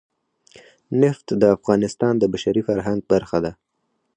نفت د افغانستان د بشري فرهنګ برخه ده.